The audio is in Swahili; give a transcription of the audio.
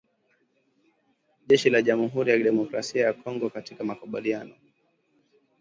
jeshi la jamhuri ya kidemokrasia ya Kongo katika makabiliano